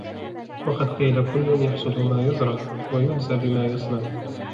وَقَدْ قِيلَ كُلٌّ يَحْصُدُ مَا يَزْرَعُ ، وَيُجْزَى بِمَا يَصْنَعُ